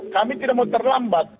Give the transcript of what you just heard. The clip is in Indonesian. kami tidak mau terlambat